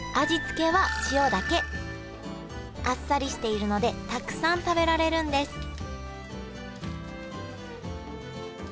味付けはあっさりしているのでたくさん食べられるんです